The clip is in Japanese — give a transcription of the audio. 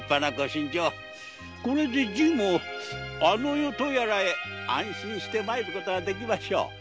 これでじぃもあの世とやらへ安心して参ることができましょう。